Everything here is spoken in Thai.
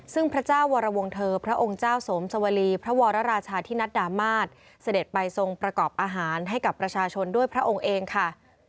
ซึ่งพระเจ้าวรวงเทอร์พระองค์เจ้าสมสวรีพระวรราชาธินัดดามาศเสด็จไปทรงประกอบอาหารให้กับประชาชนด้วยพระองค์เองค่ะ